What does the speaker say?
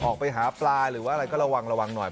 ออกไปหาปลาหรือว่าอะไรก็ระวังระวังหน่อย